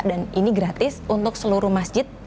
dan ini gratis untuk seluruh masjid